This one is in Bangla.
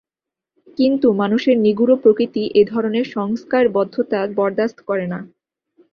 কিন্তু মানুষের নিগূঢ় প্রকৃতি এ ধরনের সংস্কারবদ্ধতা বরদাস্ত করে না।